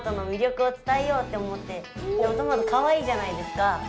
トマトかわいいじゃないですか。